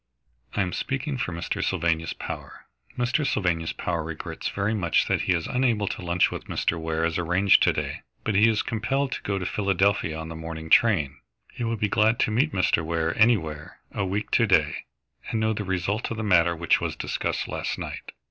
"I am speaking for Mr. Sylvanus Power. Mr. Sylvanus Power regrets very much that he is unable to lunch with Mr. Ware as arranged to day, but he is compelled to go to Philadelphia on the morning train. He will be glad to meet Mr. Ware anywhere, a week to day, and know the result of the matter which was discussed last night."